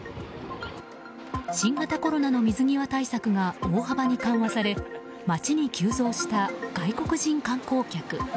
新型コロナの水際対策が大幅に緩和され街に急増した外国人観光客。